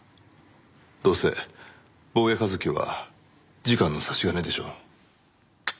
どうせ坊谷一樹は次官の差し金でしょう？